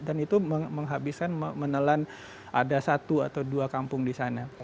dan itu menghabiskan menelan ada satu atau dua kampung di sana